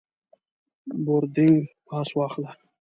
بوردینګ پاس واخله.